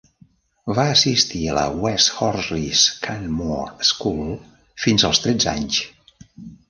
Va assistir a la West Horsley's Cranmore School fins als treze anys.